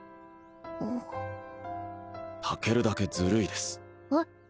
タケルだけずるいですえっ？